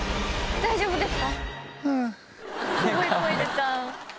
大丈夫ですか？